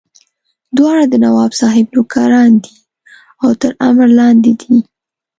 دواړه د نواب صاحب نوکران دي او تر امر لاندې دي.